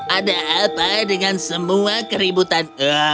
ada apa dengan semua keributan